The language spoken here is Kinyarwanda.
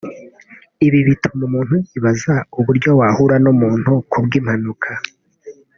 Ibi bituma umuntu yibaza uburyo wahura n’umuntu ku bw’impanuka